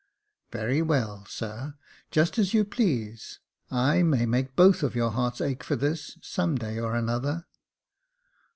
Very well, sir; just as you please. I may make both of your hearts ache for this, some day or another."